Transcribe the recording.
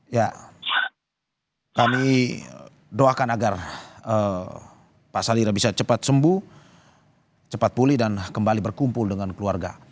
ya kami doakan agar pak salira bisa cepat sembuh cepat pulih dan kembali berkumpul dengan keluarga